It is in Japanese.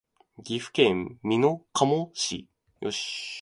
岐阜県美濃加茂市